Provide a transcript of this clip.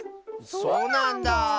そうなんだあ。